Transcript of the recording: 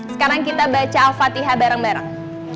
sekarang kita baca al fatihah bareng bareng